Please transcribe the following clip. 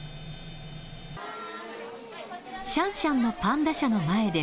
シャンシャンのパンダ舎の前では。